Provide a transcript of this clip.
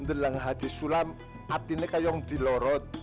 dalam hadis sulam hatinya kayak yang dilorot